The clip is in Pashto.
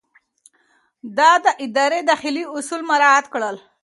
ده د ادارې داخلي اصول مراعات کړل.